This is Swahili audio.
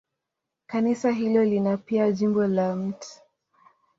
Kanisa hilo lina pia jimbo la Mt.